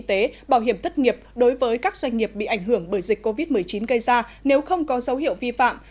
thất nghiệp đối với các doanh nghiệp bị ảnh hưởng bởi dịch covid một mươi chín gây ra nếu không có dấu hiệu vi phạm